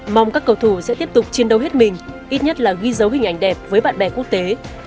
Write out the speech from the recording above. mong các cầu thủ sẽ tiếp tục chiến đấu hết mình ít nhất là ghi dấu hình ảnh đẹp với bạn bè quốc tế